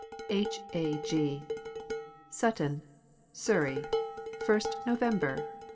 H. A. G. Sutton, Surrey, \st November 1875.